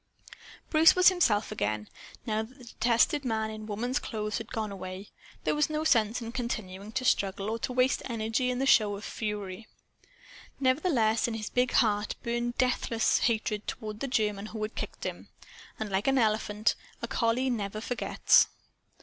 Bruce was himself again. Now that the detested man in woman's clothes had gone away, there was no sense in continuing to struggle or to waste energy in a show of fury. Nevertheless, in his big heart burned deathless hatred toward the German who had kicked him. And, like an elephant, a collie never forgets.